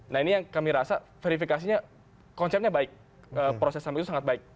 nah ini yang kami rasa verifikasinya konsepnya baik proses samping itu sangat baik